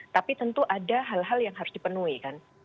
tapi tentu ada hal hal yang harus dipenuhi kan